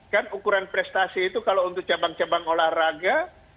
kan ukuran prestasi itu kalau untuk cabang cabang olahraga